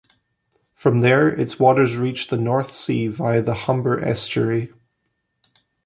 From there, its waters reach the North Sea via the Humber Estuary.